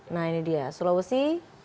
nah ini dia sulawesi